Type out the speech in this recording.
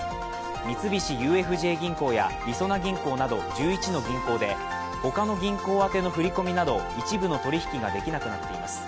三菱ＵＦＪ銀行やりそな銀行など１１の銀行で、他の銀行あての振り込みなど一部の取引ができなくなっています。